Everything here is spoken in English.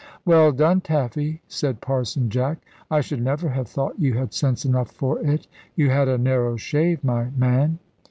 "Well done, Taffy!" said Parson Jack; "I should never have thought you had sense enough for it. You had a narrow shave, my man."